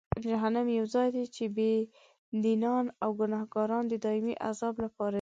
جهنم یو ځای دی چې بېدینان او ګناهکاران د دایمي عذاب لپاره ځي.